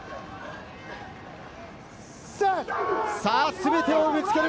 全てをぶつける！